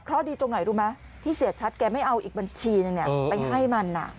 เพราะดีตรงไหนรู้ไหมที่เสียชัดแกไม่เอาอีกบัญชีนึงไปให้มัน